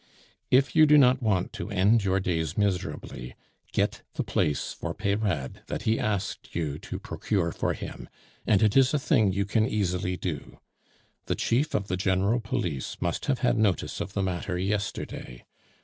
"If you do not want to end your days miserably, get the place for Peyrade that he asked you to procure for him and it is a thing you can easily do. The Chief of the General Police must have had notice of the matter yesterday.